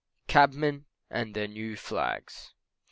CABMEN AND THEIR NEW FLAGS.